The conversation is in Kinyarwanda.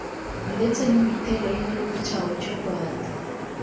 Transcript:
ndetse n’imiterere y’igihugu cyabo cy’U Rwanda